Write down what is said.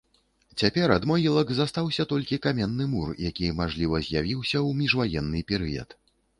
Цяпер ад могілак застаўся толькі каменны мур, які, мажліва, з'явіўся ў міжваенны перыяд.